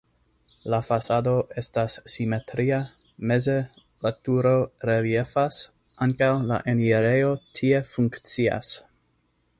La fasado estas simetria, meze la turo reliefas, ankaŭ la enirejo tie funkcias.